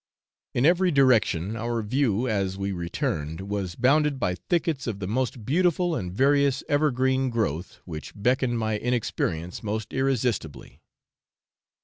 In every direction our view, as we returned, was bounded by thickets of the most beautiful and various evergreen growth, which beckoned my inexperience most irresistibly.